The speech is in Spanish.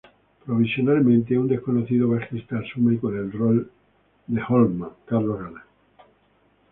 Provisionalmente, un desconocido bajista asume con el rol de Holman, Carlos Gana.